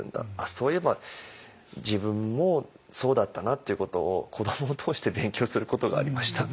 そういえば自分もそうだったなっていうことを子どもを通して勉強することがありました。